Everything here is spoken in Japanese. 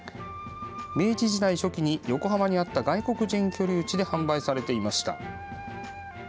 明治時代初期に横浜にあった外国人居留地で販売されていました。